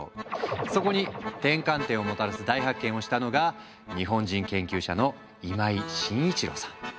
そこに転換点をもたらす大発見をしたのが日本人研究者の今井眞一郎さん。